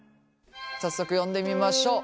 早速呼んでみましょう。